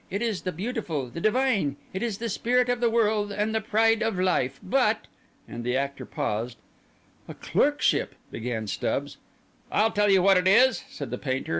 It is the beautiful, the divine; it is the spirit of the world, and the pride of life. But—" And the actor paused. "A clerkship—" began Stubbs. "I'll tell you what it is," said the painter.